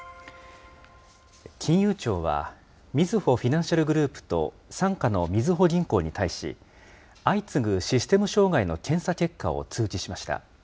金融庁は、みずほフィナンシャルグループと傘下のみずほ銀行に対し、相次ぐシステム障害の検査結果を通知しました。